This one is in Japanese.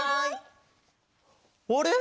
あれ？